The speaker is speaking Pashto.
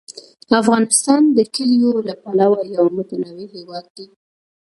افغانستان د کلیو له پلوه یو متنوع هېواد دی.